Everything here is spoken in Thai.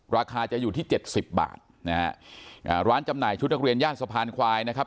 ราคาจะอยู่ที่เจ็ดสิบบาทนะฮะอ่าร้านจำหน่ายชุดนักเรียนย่านสะพานควายนะครับ